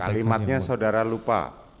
kalimatnya saudara lupa